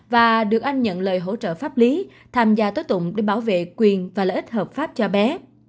và được anh nhận lời hỗ trợ pháp lý tham gia tố tụng để bảo vệ quyền và lợi ích hợp pháp cho bé